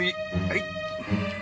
はい。